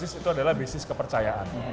bisnis itu adalah bisnis kepercayaan